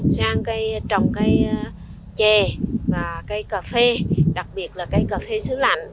sang cây trồng cây chè và cây cà phê đặc biệt là cây cà phê xứ lạnh